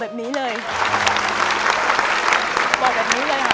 เปลี่ยนเพลงเพลงเก่งของคุณและข้ามผิดได้๑คำ